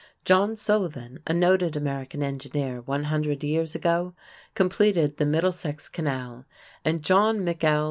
John Sullivan, a noted American engineer one hundred years ago, completed the Middlesex Canal; and John McL.